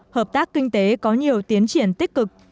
hợp tác kinh tế có nhiều tiến triển tích cực